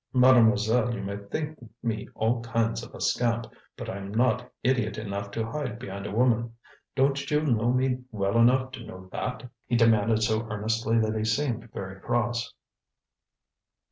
"Mademoiselle, you may think me all kinds of a scamp, but I'm not idiot enough to hide behind a woman. Don't you know me well enough to know that?" he demanded so earnestly that he seemed very cross.